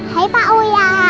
hai pak uya